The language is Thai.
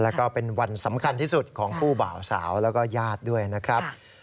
แล้วก็เป็นวันสำคัญที่สุดของคู่บ่าวสาวแล้วก็ญาติด้วยนะครับ